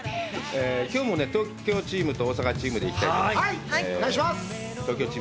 きょうも東京チームと大阪チームで行きたいと思います。